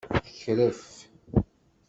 Tekref.